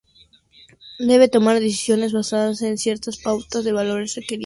Debe tomar decisiones basadas en ciertas pautas o valores requeridos.